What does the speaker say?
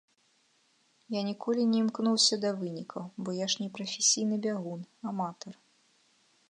Я ніколі не імкнуўся да вынікаў, бо я ж не прафесійны бягун, аматар.